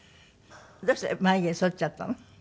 どうして眉毛そっちゃったの？